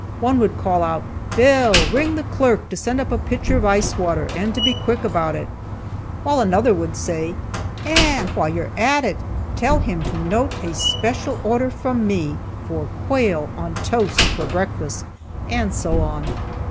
One would call out, "Bill, ring the clerk to send up a pitcher of ice water, and to be quick about it;" while another would say, "And while you're at it, tell him to note a special order from me for quail on toast for breakfast;" and so on.